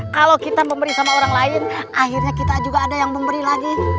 kalau kita memberi sama orang lain akhirnya kita juga ada yang memberi lagi